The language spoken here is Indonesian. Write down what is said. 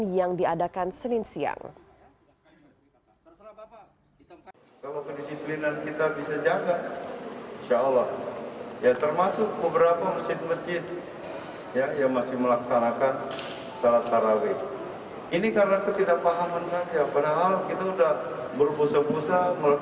yang diperhatikan sebagai kegiatan yang tidak terlalu berguna